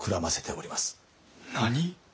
何？